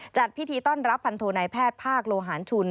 จัดพิธีต้อนรับพันโทนายแพทย์ภาคโลหารชุน